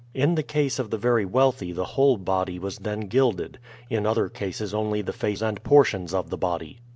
In the case of the very wealthy the whole body was then gilded; in other cases only the face and portions of the body.